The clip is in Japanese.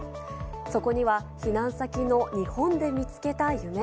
そこには、避難先の日本で見つけた夢。